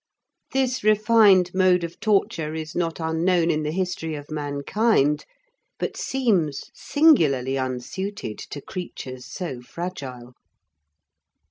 This refined mode of torture is not unknown in the history of mankind, but seems singularly unsuited to creatures so fragile.